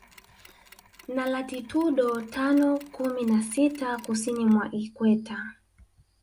Na latitudo tano kumi na sita Kusini mwa Ikweta